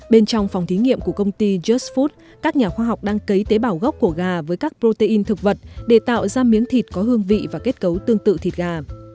bên trong phòng thí nghiệm của công ty jerse food các nhà khoa học đang cấy tế bào gốc của gà với các protein thực vật để tạo ra miếng thịt có hương vị và kết cấu tương tự thịt gà